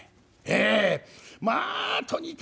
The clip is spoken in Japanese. ええ。